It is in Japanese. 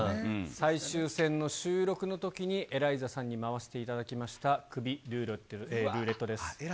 最終戦の収録のときにエライザさんに回していただきましたクビルーレットです。